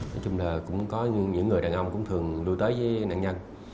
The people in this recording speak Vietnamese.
nói chung là cũng có những người đàn ông cũng thường đưa tới với nạn nhân